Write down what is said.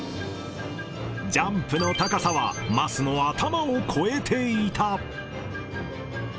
ジャンプの高さは桝の頭を超えていた。